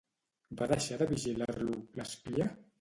Va deixar de vigilar-lo, l'espia?